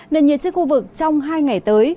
nền nhiệt trên khu vực trong hai ngày tới